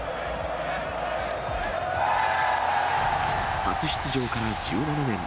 初出場から１７年。